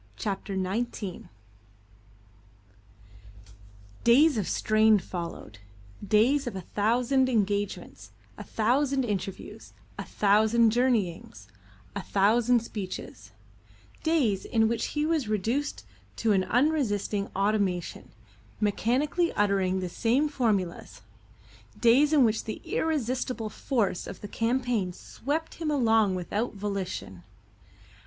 CHAPTER XIX DAYS of strain followed: days of a thousand engagements, a thousand interviews, a thousand journeyings, a thousand speeches; days in which he was reduced to an unresisting automaton, mechanically uttering the same formulas; days in which the irresistible force of the campaign swept him along without volition.